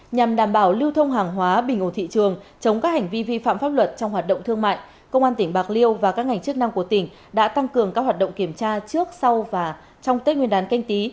nhằm đảm bảo lưu thông hàng hóa bình ổn thị trường chống các hành vi vi phạm pháp luật trong hoạt động thương mại công an tỉnh bạc liêu và các ngành chức năng của tỉnh đã tăng cường các hoạt động kiểm tra trước sau và trong tết nguyên đán canh tí